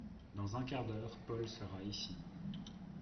Dans un quart d’heure Paul sera ici…